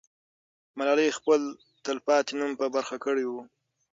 ملالۍ خپل تل پاتې نوم په برخه کړی وو.